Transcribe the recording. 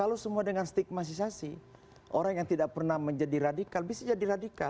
kalau semua dengan stigmatisasi orang yang tidak pernah menjadi radikal bisa jadi radikal